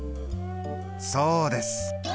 そうです。